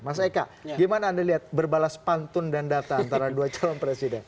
mas eka gimana anda lihat berbalas pantun dan data antara dua calon presiden